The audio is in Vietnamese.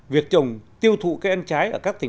việc trồng tiêu thụ cây ăn trái